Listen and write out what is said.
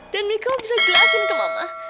dan miko bisa jelasin ke mama